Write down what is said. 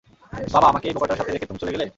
বাবা, আমাকে এই বোকাটার সাথে রেখে তুমি চলে গেলে।